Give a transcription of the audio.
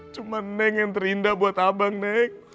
cuma neng yang terindah buat abang neng